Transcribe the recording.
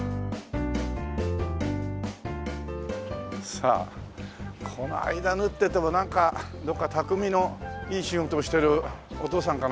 さあこの間縫っていったらなんかどっか匠のいい仕事をしてるお父さんかなんかに会えるかな？